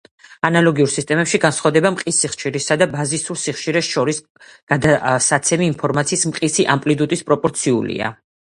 ანალოგიურ სისტემებში, განსხვავება მყის სიხშირესა და ბაზისურ სიხშირეს შორის გადასაცემი ინფორმაციის მყისი ამპლიტუდის პროპორციულია.